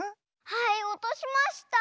はいおとしました！